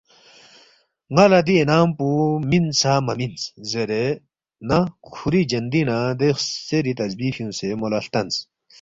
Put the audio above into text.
ن٘ا لہ دِی اِنعام پو مِنسا مہ مِنس“ زیرے نہ کُھوری جندِنگ نہ دے خسیری تسبیح فیُونگسے مو لہ ہلتنس